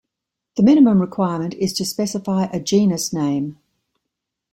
The minimum requirement is to specify a genus name.